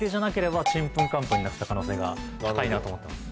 チンプンカンプンになってた可能性が高いなと思ってます。